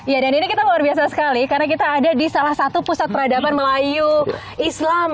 ya dan ini kita luar biasa sekali karena kita ada di salah satu pusat peradaban melayu islam